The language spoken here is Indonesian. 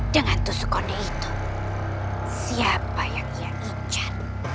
dengan tusuk konde itu siapa yang ia incan